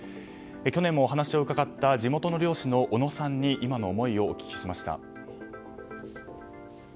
去年もお話を伺った地元の漁師の小野さんに今の思いをお聞きしました。